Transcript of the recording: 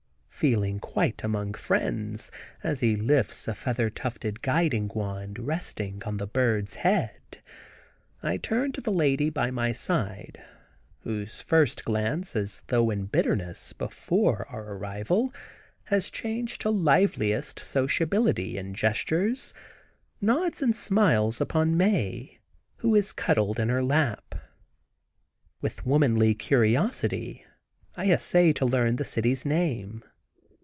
Feeling quite among friends, as he lifts a feather tufted guiding wand resting on the bird's head, I turn to the lady by my side, whose first glance, as though in bitterness, before our arrival, has changed to liveliest sociability in gestures, nods and smiles upon Mae, who is cuddled in her lap. With womanly curiosity I essay to learn the city's name.